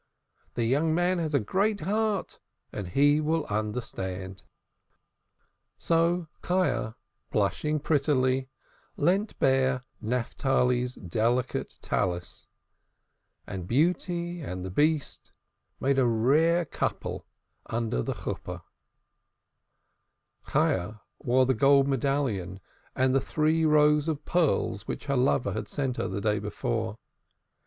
The young man has a great heart, and he will understand." So Chayah, blushing prettily, lent Bear Naphtali's delicate Talith, and Beauty and the Beast made a rare couple under the wedding canopy. Chayah wore the gold medallion and the three rows of pearls which her lover had sent her the day before.